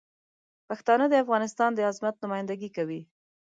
پښتانه د افغانستان د عظمت نمایندګي کوي.